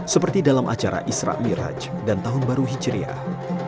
seperti dalam acara isra' miraj dan tahun baru hijriyah